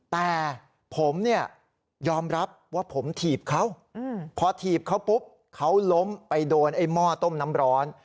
แต่ผมเนี่ยยอมรับว่าผมถีบเขาพอถีบเขาปุ๊บเขาล้มไปโดนไอ้หม้อต้มน้ำร้อน